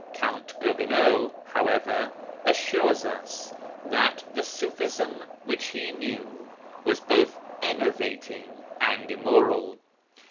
Count Gobineau, however, assures us that the Ṣufism which he knew was both enervating and immoral.